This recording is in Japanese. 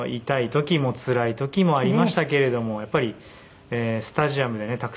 痛い時もつらい時もありましたけれどもやっぱりスタジアムでね